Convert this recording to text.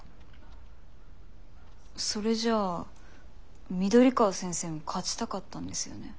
それじゃあ緑川先生も勝ちたかったんですよね？